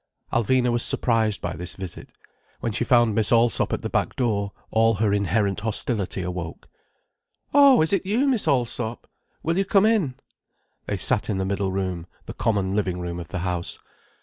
Alvina was surprised by this visit. When she found Miss Allsop at the back door, all her inherent hostility awoke. "Oh, is it you, Miss Allsop! Will you come in." They sat in the middle room, the common living room of the house.